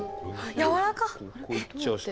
やわらかっ！